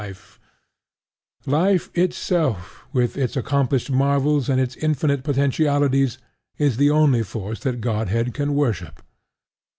Life itself, with its accomplished marvels and its infinite potentialities, is the only force that Godhead can worship.